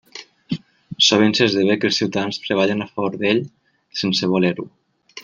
Sovint s'esdevé que els ciutadans treballen a favor d'ell sense voler-ho.